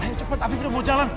ayo cepet afif udah mau jalan